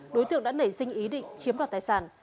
đối tượng đã nảy sinh ý định chiếm đoạt tài sản